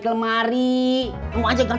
kemari mau aja ganti ah